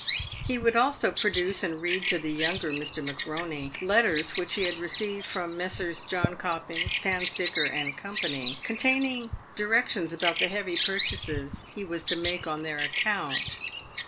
He would also produce and read to the younger Mr. McEoney letters which he had received from Messrs. Jonkopings, Tandstickor, and Co., containing directions about the heavy purchases he was to make on their account.